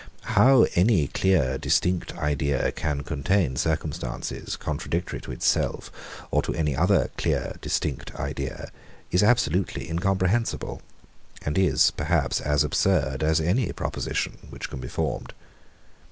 How any clear, distinct idea can contain circumstances, contradictory to itself, or to any other clear, distinct idea, is absolutely incomprehensible; and is, perhaps, as absurd as any proposition, which can be formed.